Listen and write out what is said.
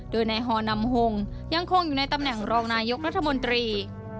โดยนายฮอนำหงยังคงอยู่ในตำแหน่งรองนายกรัฐมนตรี